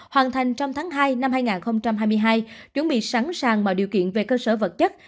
hoàn thành trong tháng hai năm hai nghìn hai mươi hai chuẩn bị sẵn sàng mọi điều kiện về cơ sở vật chất